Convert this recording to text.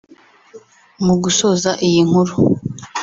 Mu gusoza iyi nkuru